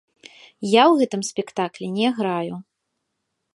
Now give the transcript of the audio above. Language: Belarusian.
Я ў гэтым спектаклі не граю.